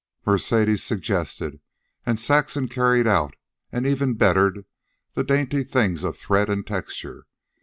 Mercedes suggested, and Saxon carried out and even bettered, the dainty things of thread and texture.